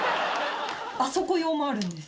あそこ用もあるんです。